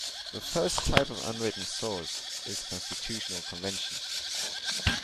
The first type of unwritten source is constitutional conventions.